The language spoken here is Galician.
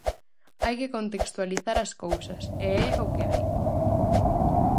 Hai que contextualizar as cousas, e é o que hai...